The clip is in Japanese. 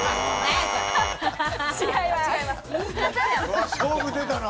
違います。